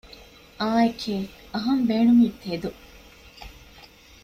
އާނއެކެވެ! އަހަން ބޭނުމީ ތެދު